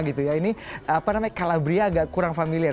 ini calabria agak kurang familiar